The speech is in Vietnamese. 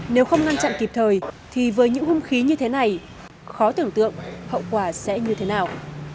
nếu không ngăn chặn kịp thời thì với những hung khí như thế này khó tưởng tượng hậu quả sẽ như thế nào